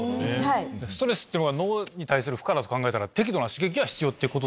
ストレスってのが脳に対する負荷だと考えたら適度な刺激は必要ってこと？